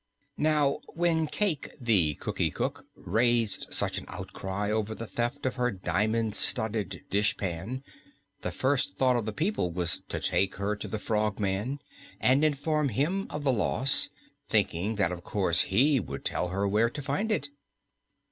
Now when Cayke the Cookie Cook raised such an outcry over the theft of her diamond studded dishpan, the first thought of the people was to take her to the Frogman and inform him of the loss, thinking that of course he would tell her where to find it.